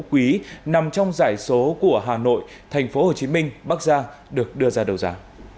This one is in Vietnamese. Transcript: quý nằm trong giải số của hà nội thành phố hồ chí minh bắc giang được đưa ra đấu giá